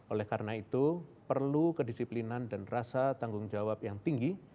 oleh karena itu perlu kedisiplinan dan rasa tanggung jawab yang tinggi